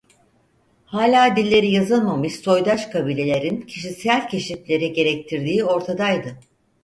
Hala dilleri yazılmamış soydaş kabilelerin kişisel keşifleri gerektirdiği ortadaydı.